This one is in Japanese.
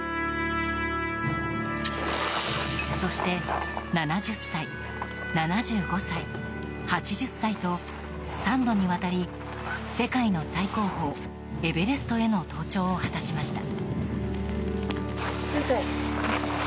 そして７０歳、７５歳、８０歳と３度にわたり世界の最高峰エベレストへの登頂を果たしました。